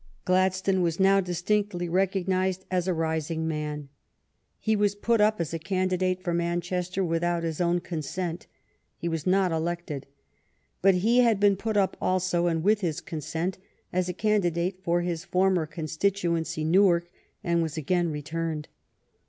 Gladstone was now distinctly recog nized as a rising man. He was put up as a candidate for Manchester without his own con sent. He was not elected. But he had been put up also, and with his consent, as a candidate for his former constituency, Newark, and was again returned.